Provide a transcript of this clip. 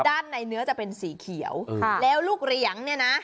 ด้านในเนื้อจะเป็นสีเขียวค่ะแล้วลูกเหรียงเนี่ยนะ